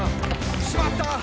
「しまった！